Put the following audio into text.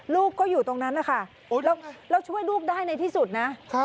ลูกก็อยู่ตรงนั้นนะคะแล้วช่วยลูกได้ในที่สุดนะ